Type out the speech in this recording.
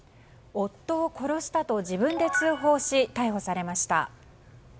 夫を殺したと自分で通報し逮捕されました。